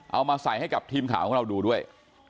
เอามาใส่ให้กับทีมข่าวของเราดูด้วย